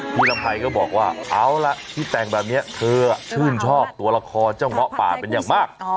ลำไพรก็บอกว่าเอาล่ะที่แต่งแบบนี้เธอชื่นชอบตัวละครเจ้าเงาะป่าเป็นอย่างมาก